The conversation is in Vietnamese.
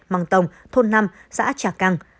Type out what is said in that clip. măng tông thôn năm xã trà cang